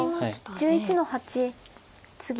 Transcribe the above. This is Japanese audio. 黒１１の八ツギ。